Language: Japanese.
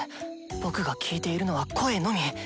僕が聞いているのは声のみ！